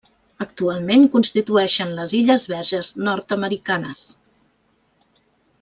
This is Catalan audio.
Actualment constitueixen les Illes Verges Nord-americanes.